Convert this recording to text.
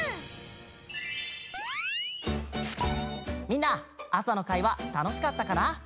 みんな朝の会はたのしかったかな？